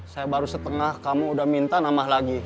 saya baru setengah kamu udah minta nambah lagi